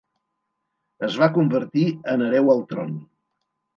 Es va convertir en hereu al tron.